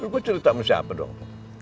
gue cerita sama siapa dong